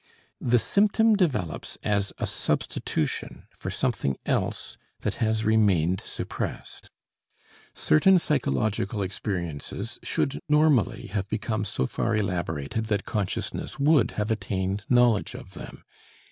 The symptom develops as a substitution for something else that has remained suppressed. Certain psychological experiences should normally have become so far elaborated that consciousness would have attained knowledge of them.